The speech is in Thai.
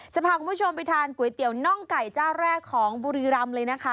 จะพาคุณผู้ชมไปทานก๋วยเตี๋ยวน่องไก่เจ้าแรกของบุรีรำเลยนะคะ